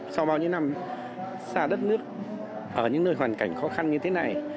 sau bao nhiêu năm xa đất nước ở những nơi hoàn cảnh khó khăn như thế này